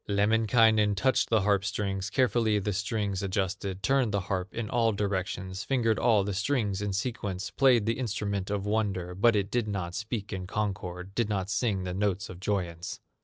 Lemminkainen touched the harp strings, Carefully the strings adjusted, Turned the harp in all directions, Fingered all the strings in sequence, Played the instrument of wonder, But it did not speak in concord, Did not sing the notes of joyance.